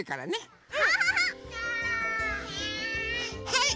はい。